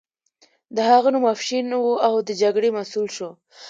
د هغه نوم افشین و او د جګړې مسؤل شو.